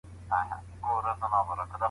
حکومت د قوت په کارولو سره د غریبو حق اخلي.